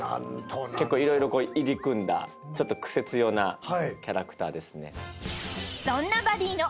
結構色々入り組んだちょっとクセ強なキャラクターですね。